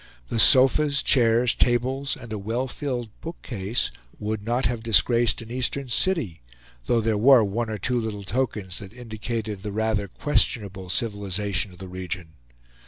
The sofas, chairs, tables, and a well filled bookcase would not have disgraced an Eastern city; though there were one or two little tokens that indicated the rather questionable civilization of the region.